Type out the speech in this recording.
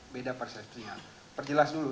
beda persepsinya perjelas dulu